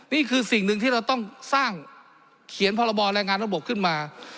นี่คือสิ่งหนึ่งที่เราต้องสร้างเขียนพรบแรงงานระบบขึ้นมา